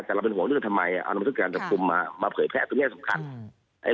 แต่เราเป็นห่วงเรื่องทำไมเอานำบันทึกการจับกลุ่มมาเผยแพร่ตรงนี้สำคัญ